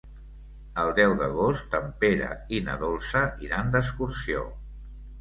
El deu d'agost en Pere i na Dolça iran d'excursió.